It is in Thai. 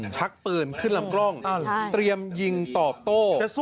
ชักปืนขึ้นลำกล้องเตรียมยิงตอบโต้